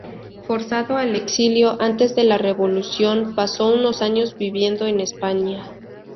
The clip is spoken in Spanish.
Forzado al exilio, antes de la Revolución pasó unos años viviendo en España.